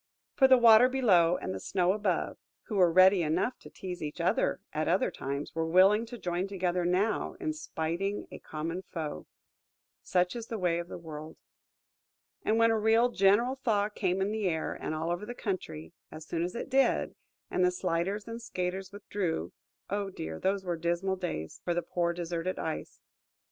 For the Water below and the Snow above, who were ready enough to tease each other at other times, were willing to join together now in spiting a common foe. Such is the way of the world! And when a real general thaw came in the air, and all over the country, as it soon did, and the sliders and skaters withdrew–oh, dear, those were dismal days for the poor deserted Ice!